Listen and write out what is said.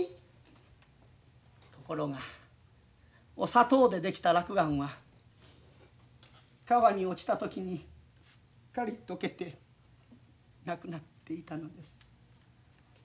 ところがお砂糖で出来た落雁は川に落ちた時にすっかり溶けてなくなっていたのです。